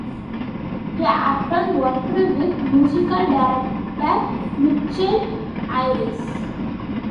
He often worked with musical director Mitchell Ayres.